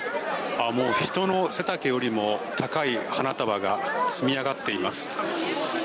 もう人の背丈よりも高い花束が積み上がっています。